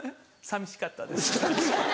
寂しかったです。